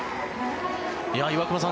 岩隈さん